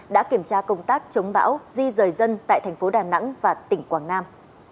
đã kiểm tra công tác chống bão di rời dân tại thành phố đà nẵng và tỉnh quảng nam